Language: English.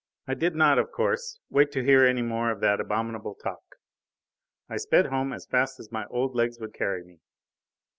I did not, of course, wait to hear any more of that abominable talk. I sped home as fast as my old legs would carry me.